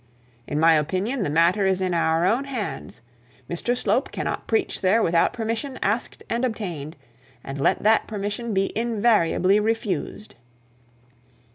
In my opinion, the matter is in our own hands. Mr Slope cannot preach there without permission asked and obtained, and let that permission be invariable refused.